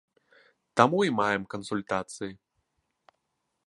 Таму і маем кансультацыі.